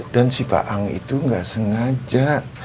dan si fa'ang itu gak sengaja